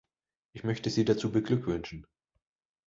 Ich möchte sie dazu beglückwünschen.